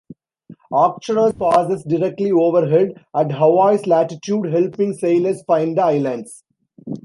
Arcturus passes directly overhead at Hawaii's latitude, helping sailors find the islands.